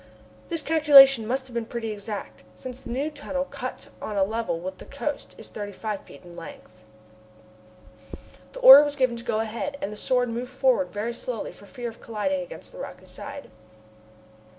This calculation must have been pretty exact, since the new tunnel cut on a level with the coast is thirty five feet in length. The order was given to go ahead, and the Sword moved forward very slowly for fear of colliding against the rocky side.